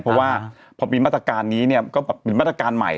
เพราะว่าพอมีมาตรการนี้เนี่ยก็แบบมีมาตรการใหม่